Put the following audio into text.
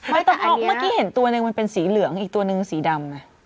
เมื่อกี้เห็นตัวหนึ่งมันเป็นสีเหลืองอีกตัวนึงสีดำไง